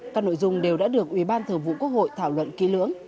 các nội dung đều đã được ủy ban thường vụ quốc hội thảo luận ký lưỡng